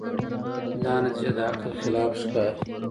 دا نتیجه د عقل خلاف ښکاري.